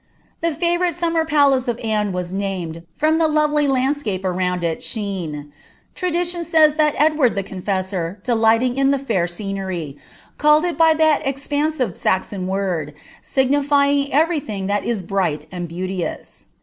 The favouriM ■uintner palace of Anne wua named, from the lovely landscape arouiid it, Sbene : tradition aays that Edward the Confessor, delighting in tilt (uf KCiincry, culled it by thai expressive Saxon word, signifying eretf Ibing that is bright and beauteous.